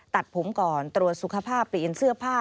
ตัดผมก่อนตรวจสุขภาพเปลี่ยนเสื้อผ้า